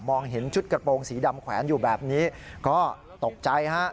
เห็นชุดกระโปรงสีดำแขวนอยู่แบบนี้ก็ตกใจฮะ